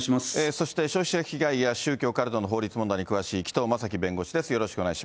そして消費者被害や宗教・カルトの問題に詳しい紀藤正樹弁護士です。